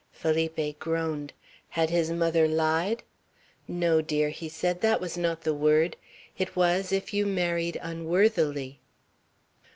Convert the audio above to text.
Felipe groaned. Had his mother lied? "No, dear," he said, "that was not the word. It was, if you married unworthily."